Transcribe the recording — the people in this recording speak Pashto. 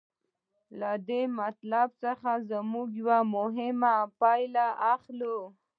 له دې مطالبو څخه موږ یوه مهمه پایله اخلو